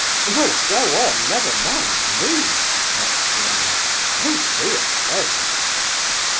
"Well, go on! never mind me!" mocked the other. "Don't be afraid!"